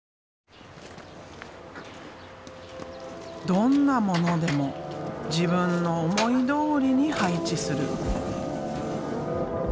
どんなものでも自分の思いどおりに配置する。